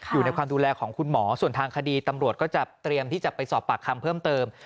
อยู่ในความดูแลของคุณหมอส่วนทางคดีตำรวจก็จะเตรียมที่จะไปสอบปากคำเพิ่มเติม